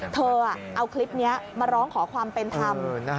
เธอเอาคลิปนี้มาร้องขอความเป็นธรรม